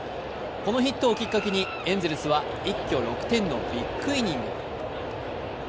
このヒットをきっかけに一挙６点のビッグイニング。